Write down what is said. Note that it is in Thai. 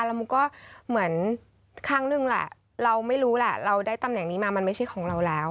แล้วมันก็เหมือนครั้งนึงแหละเราไม่รู้แหละเราได้ตำแหน่งนี้มามันไม่ใช่ของเราแล้ว